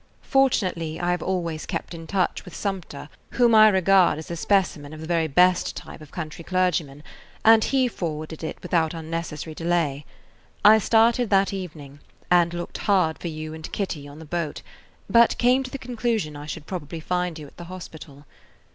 Fortunately, I have always kept in touch with Sumpter, whom I regard as a specimen of the very best type of country clergymen, and he forwarded it without unnecessary delay. I started that evening, and looked hard for you and Kitty on the boat; but came to the conclusion I should probably find you at the hospital.